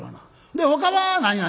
でほかは何が？」。